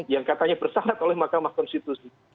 yang katanya bersarat oleh mahkamah konstitusi